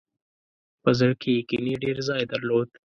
په زړه کې یې کینې ډېر ځای درلود.